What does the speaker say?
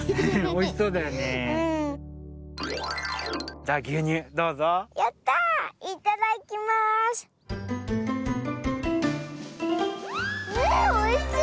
おいしい？